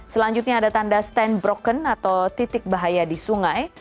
selanjutnya ada tanda stand broken atau titik bahaya di sungai